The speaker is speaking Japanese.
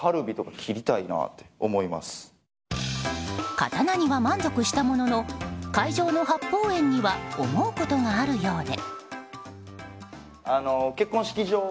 刀には満足したものの会場の八芳園には思うことがあるようで。